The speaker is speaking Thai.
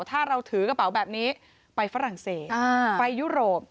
ถ้าเราถือกระเป๋าแบบนี้ไปฝรั่งเศสไปยุโรป